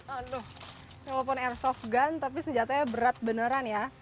aduh walaupun airsoft gun tapi senjatanya berat beneran ya